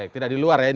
tidak di luar ya ini